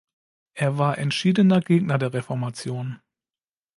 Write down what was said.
Er war entschiedener Gegner der Reformation.